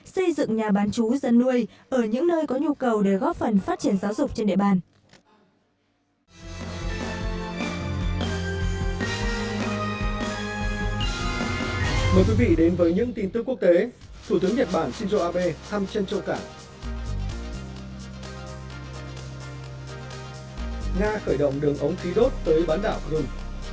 xây dựng nhà bán chú dân nuôi ở những nơi có nhu cầu để góp phần phát triển giáo dục trên địa bàn